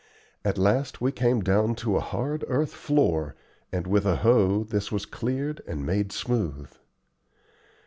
At last we came down to a hard earth floor, and with a hoe this was cleared and made smooth.